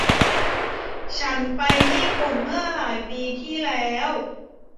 ฉันไปญี่ปุ่นเมื่อหลายปีที่แล้ว